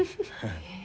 へえ。